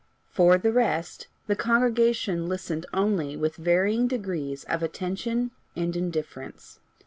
For the rest, the congregation listened only with varying degrees of attention and indifference.